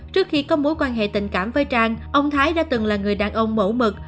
trước khi có mối quan hệ tình cảm với trang ông thái đã từng là người đàn ông mẫu mực